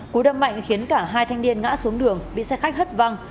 cú đâm mạnh khiến cả hai thanh niên ngã xuống đường bị xe khách hất văng